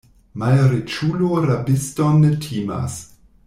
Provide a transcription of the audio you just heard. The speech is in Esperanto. Malriĉulo rabiston ne timas.